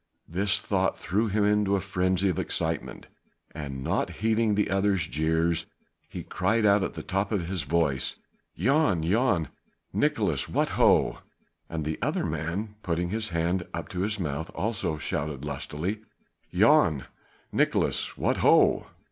This thought threw him into a frenzy of excitement and not heeding the other's jeers he cried out at the top of his voice: "Jan! Jan! Nicolaes! What ho!" And the other man putting his hand up to his mouth also shouted lustily: "Jan! Nicolaes! What ho!"